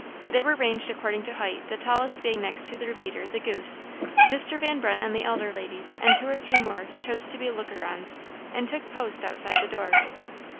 There were ranged according to height, the tallest being next their leader, the "goose." Mr. Van Brunt and the elder ladies, and two or three more, chose to be lookers on, and took post outside the door.